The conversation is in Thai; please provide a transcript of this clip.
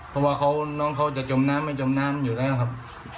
เพราะว่าน้องเขาจะจมน้ำไม่จมน้ำอยู่แล้วครับ